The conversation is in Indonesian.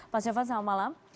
pak sofyan selamat malam